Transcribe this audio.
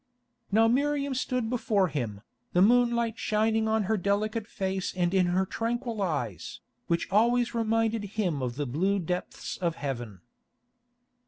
Now Miriam stood before him, the moonlight shining on her delicate face and in her tranquil eyes, which always reminded him of the blue depths of heaven.